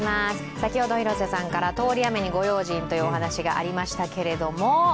先ほど広瀬さんから通り雨にご用心という話がありましたけれども。